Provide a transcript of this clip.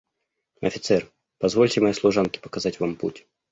Офицер, позвольте моей служанке показать вам путь.